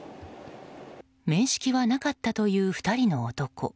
面識はなかったという、２人の男。